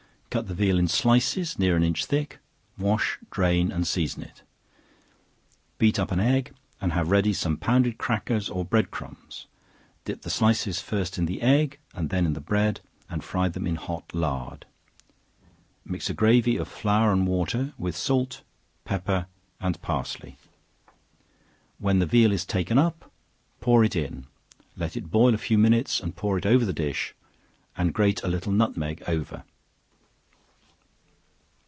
Cut the veal in slices near an inch thick; wash, drain, and season it; beat up an egg, and have ready some pounded crackers or bread crumbs; dip the slices first in the egg, and then in the bread, and fry them in hot lard; mix a gravy of flour and water, with salt, pepper and parsley; when the veal is taken up, pour it in; let it boil a few minutes and pour it over the dish, and grate a little nutmeg over.